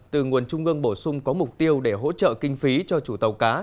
từ nguồn trung ương bổ sung có mục tiêu để hỗ trợ kinh phí cho chủ tàu cá